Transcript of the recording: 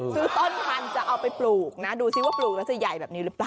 ต้นพันธุ์จะเอาไปปลูกนะดูซิว่าปลูกแล้วจะใหญ่แบบนี้หรือเปล่า